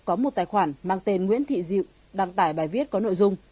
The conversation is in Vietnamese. có một tài khoản mang tên nguyễn thị diệu đăng tải bài viết có nội dung